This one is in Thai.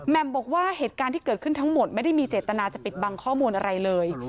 มบอกว่าเหตุการณ์ที่เกิดขึ้นทั้งหมดไม่ได้มีเจตนาจะปิดบังข้อมูลอะไรเลย